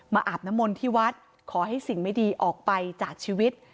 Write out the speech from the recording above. อาบน้ำมนต์ที่วัดขอให้สิ่งไม่ดีออกไปจากชีวิต